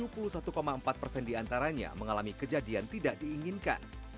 tujuh puluh satu empat persen diantaranya mengalami kejadian tidak diinginkan